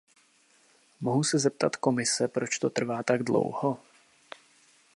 Mohu se zeptat Komise, proč to trvá tak dlouho?